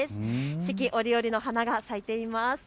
四季折々の花が咲いています。